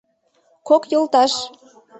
КОК ЙОЛТАШ